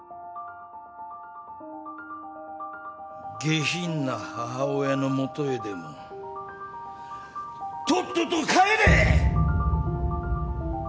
下品な母親の元へでもとっとと帰れ！！